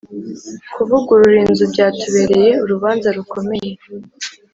kuvugurura inzu byatubereye urubanza rukomeye.